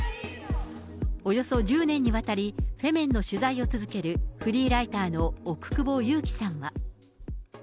およそ１０年にわたり、フェメンの取材を続けるフリーライターの奥窪優木さんは。